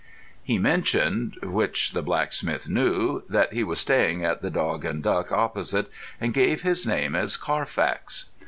He mentioned, which the blacksmith knew, that he was staying at "The Dog and Duck" opposite, and gave his name as Carfax.